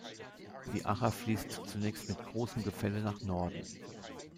Die Acher fließt zunächst mit großem Gefälle nach Norden.